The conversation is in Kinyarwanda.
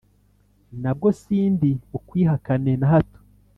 na bwo sindi bukwihakane na hato